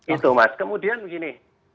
itu mas kemudian begini